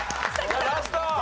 ラスト！